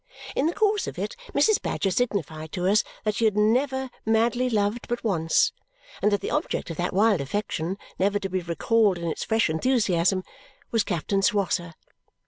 In the course of it, Mrs. Badger signified to us that she had never madly loved but once and that the object of that wild affection, never to be recalled in its fresh enthusiasm, was Captain Swosser.